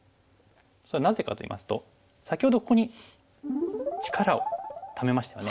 それはなぜかといいますと先ほどここに力をためましたよね。